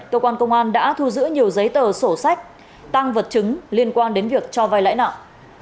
cơ quan công an đã thu giữ nhiều giấy tờ sổ sách tăng vật chứng liên quan đến việc cho vai lãi nặng